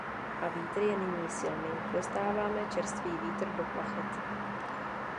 A vítr je nyní silný, dostáváme čerstvý vítr do plachet.